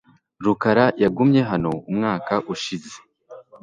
Rukara yagumye hano umwaka ushize